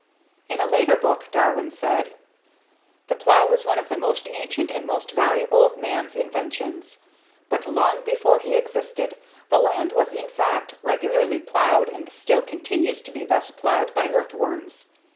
In a later book, Darwin said, "The plow is one of the most ancient and most valuable of man's inventions; but long before he existed the land was in fact regularly plowed and still continues to be thus plowed by earthworms.